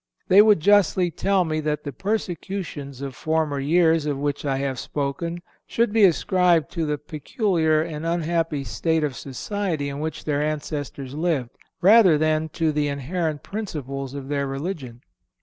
They would justly tell me that the persecutions of former years of which I have spoken should be ascribed to the peculiar and unhappy state of society in which their ancestors lived, rather than to the inherent principles of their religion.